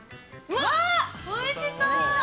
おいしそう！